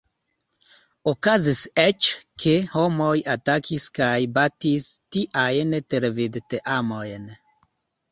Okazis eĉ, ke homoj atakis kaj batis tiajn televid-teamojn.